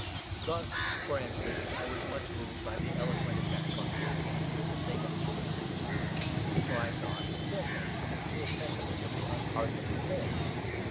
Thus, for instance, I was much moved by the eloquent attack on Christianity as a thing of inhuman gloom; for I thought (and still think) sincere pessimism the unpardonable sin.